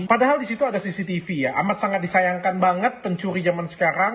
padahal di situ ada cctv ya amat sangat disayangkan banget pencuri zaman sekarang